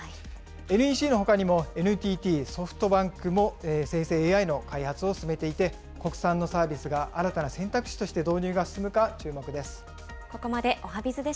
ＮＥＣのほかにもＮＴＴ、ソフトバンクも生成ＡＩの開発を進めていて、国産のサービスが新たな選択肢として導入が進むか、注目です。